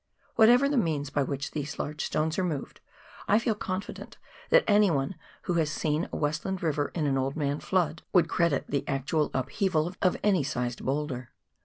Whatever the means by which these large stones are moved, I feel confident that any one who has seen a Westland river in an " old man " flood would credit the actual upheaval of any sized boulder.